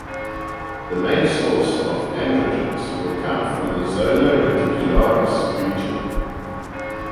The main source of androgens will come from the zona reticularis region.